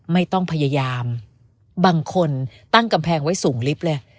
ไม่ต้องพยายามบางคนตั้งกำแพงไว้สูงลิฟต์เลย